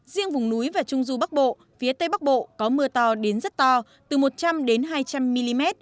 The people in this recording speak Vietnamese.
riêng vùng núi và trung du bắc bộ phía tây bắc bộ có mưa to đến rất to từ một trăm linh hai trăm linh mm